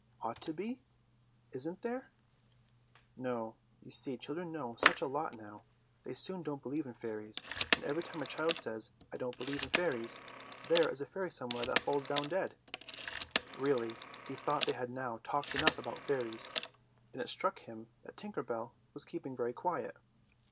"Ought to be? Isn't there?" "No. You see children know such a lot now, they soon don't believe in fairies, and every time a child says, 'I don't believe in fairies,' there is a fairy somewhere that falls down dead." Really, he thought they had now talked enough about fairies, and it struck him that Tinker Bell was keeping very quiet.